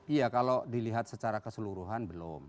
iya kalau dilihat secara keseluruhan belum